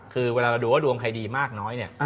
คือเวลาเราดูว่าดวงใครดีมากน้อยเนี่ย